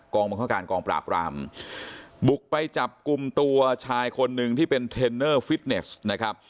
บังคับการกองปราบรามบุกไปจับกลุ่มตัวชายคนหนึ่งที่เป็นเทรนเนอร์ฟิตเนสนะครับ